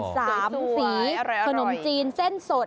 สามสีขนมจีนเส้นสด